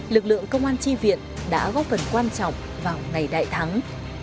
lực lượng công an tri viện đã góp phần quan trọng vào ngày đại thắng